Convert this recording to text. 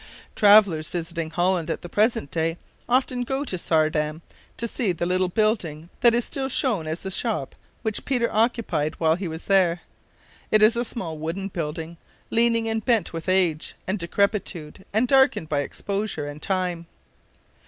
Travelers visiting Holland at the present day often go out to Saardam to see the little building that is still shown as the shop which Peter occupied while he was there. It is a small wooden building, leaning and bent with age and decrepitude and darkened by exposure and time.